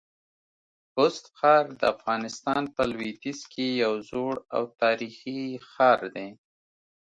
بست ښار د افغانستان په لودیځ کي یو زوړ او تاریخي ښار دی.